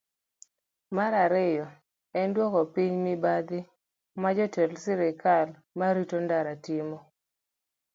Mar ariyo, en dwoko piny mibadhi ma jotend sirkal ma rito ndara timo.